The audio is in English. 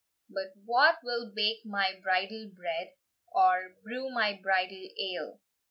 "But wha will bake my bridal bread, Or brew my bridal ale?